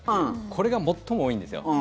これが最も多いんですよ。